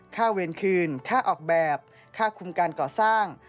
เวรคืนค่าออกแบบค่าคุมการก่อสร้าง